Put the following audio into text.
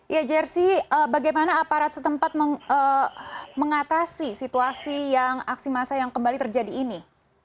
ya jersi bagaimana aparat setempat mengatasi situasi yang aksi massa yang kembali terjadi ini